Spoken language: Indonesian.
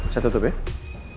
saya tutup ya